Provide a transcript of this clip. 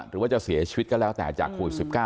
หรือว่าจะเสียชีวิตก็แล้วแต่จากโควิด๑๙